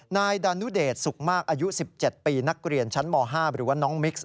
นายดานุเดชสุขมากอายุ๑๗ปีนักเรียนชั้นม๕หรือว่าน้องมิกซ์